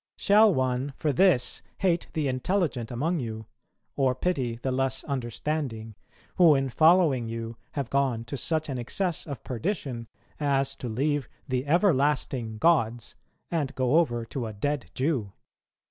Shall one for this hate the intelligent among you, or pity the less understanding, who in following you have gone to such an excess of perdition as to leave the everlasting gods and go over to a dead Jew?"